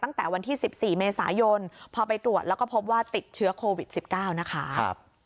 ตั้งแต่วันที่๑๔เมษายนพอไปตรวจแล้วก็พบว่าติดเชื้อโควิด๑๙นะคะ